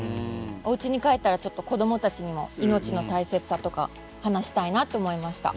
おうちに帰ったらちょっと子供たちにも命の大切さとか話したいなって思いました。